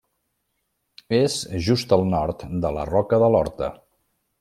És just al nord de la Roca de l'Horta.